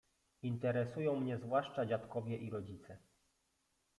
Interesują mnie zwłaszcza dziadkowie i rodzice.